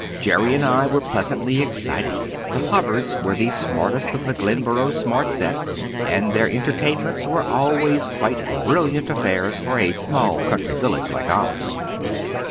Jerry and I were pleasantly excited. The Hubbards were the smartest of the Glenboro smart set and their entertainments were always quite brilliant affairs for a small country village like ours.